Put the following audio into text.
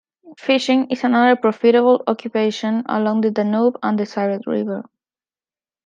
Fishing is another profitable occupation along the Danube and the Siret River.